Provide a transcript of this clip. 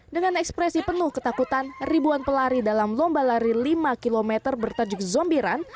dengan ekspresi penuh ketakutan ribuan pelari dalam lomba lari lima km bertajuk zombie run